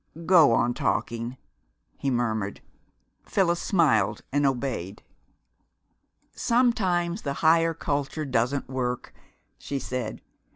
"Go on talking," he murmured. Phyllis smiled and obeyed. "Sometimes the Higher Culture doesn't work," she said.